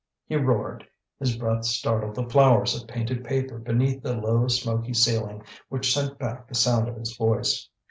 He roared; his breath startled the flowers of painted paper beneath the low smoky ceiling which sent back the sound of his voice.